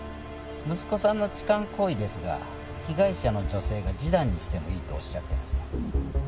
息子さんの痴漢行為ですが被害者の女性が示談にしてもいいとおっしゃってまして。